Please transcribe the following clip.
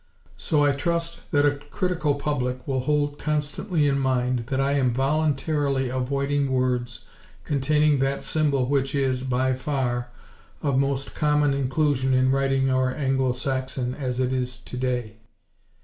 So I trust that a critical public will hold constantly in mind that I am voluntarily avoiding words containing that symbol which is, by far, of most common inclusion in writing our Anglo Saxon as it is, today.